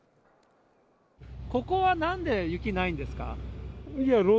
ここはなんで雪ないんですか？